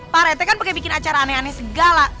parete kan bikin acara aneh aneh segala